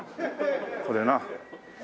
これな。